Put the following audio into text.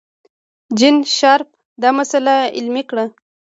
جین شارپ دا مسئله علمي کړه.